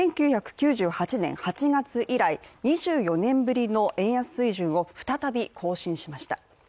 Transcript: １９９８年８月以来、２４年ぶりの円安水準を再び更新しました。